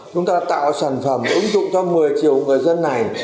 chúng ta tạo sản phẩm ứng dụng cho một mươi triệu người dân này